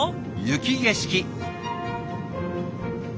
雪景色。